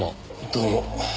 どうも。